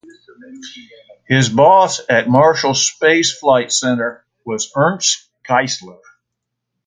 His boss at Marshall Space Flight Center was Ernst Geissler.